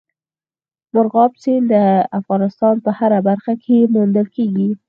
مورغاب سیند د افغانستان په هره برخه کې موندل کېږي.